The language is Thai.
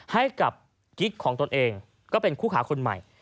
ให้กับกิ๊กของตนเองก็เป็นคู่ขาคนใหม่